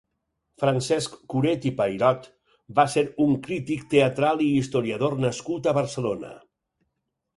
Francesc Curet i Payrot va ser un crític teatral i historiador nascut a Barcelona.